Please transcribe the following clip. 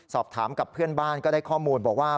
สอบถามกับเพื่อนบ้านก็ได้ข้อมูลบอกว่า